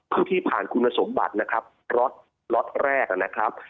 คือที่ผ่านคุณสมบัตินะครับล็อตแรกนะครับ